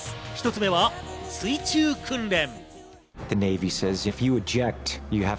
１つ目は水中訓練。